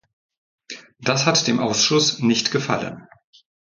Das hat dem Ausschuss nicht gefallen.